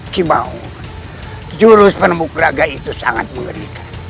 kimau jurus penemuk raga itu sangat mengerikan